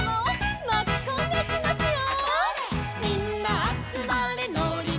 「まきこんでいきますよ」